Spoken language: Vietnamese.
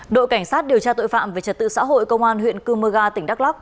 đội cảnh sát điều tra tội phạm về trật tự xã hội công an huyện cơ mơ ga tỉnh đắk lắc